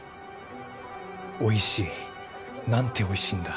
おいしいなんておいしいんだ。